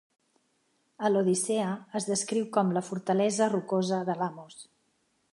A l'"Odissea" es descriu com la fortalesa rocosa de Lamos.